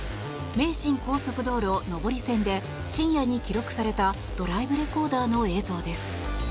名神高速道路上り線で深夜に記録されたドライブレコーダーの映像です。